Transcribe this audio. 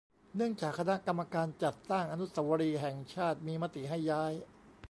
เนื่องจากคณะกรรมการจัดสร้างอนุสาวรีย์แห่งชาติมีมติให้ย้าย